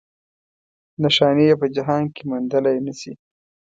نښانې یې په جهان کې موندلی نه شي.